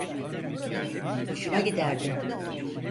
Hoşuma giderdi.